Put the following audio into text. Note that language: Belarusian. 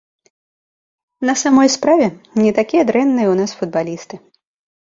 На самой справе, не такія дрэнныя ў нас футбалісты.